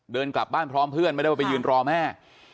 เดินกลับบ้านพร้อมเพื่อนไม่ได้ว่าไปยืนรอแม่